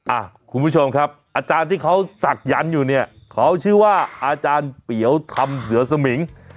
อ่ะคุณผู้ชมครับอาจารย์ที่เขาศักยันต์อยู่เนี่ยเขาชื่อว่าอาจารย์เปี๋วทำเสือสมิง